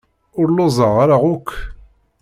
Ur lluẓeɣ ara akk.